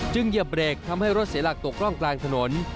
เหยียบเบรกทำให้รถเสียหลักตกร่องกลางถนน